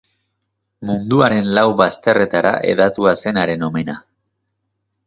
Munduaren lau bazterretara hedatua zen haren omena.